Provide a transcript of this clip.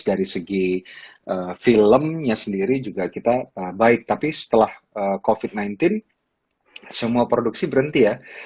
dari segi filmnya sendiri juga kita baik tapi setelah covid sembilan belas semua produksi berhenti ya